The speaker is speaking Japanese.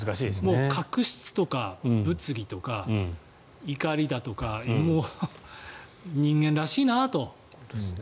確執とか物議とか怒りだとか人間らしいなと。